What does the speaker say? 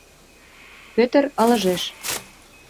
— Пӧтыр ылыжеш.